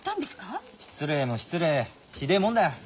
失礼も失礼ひでえもんだよ。